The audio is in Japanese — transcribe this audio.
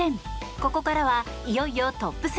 ここからはいよいよトップ３。